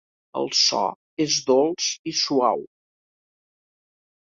El so és dolç i suau.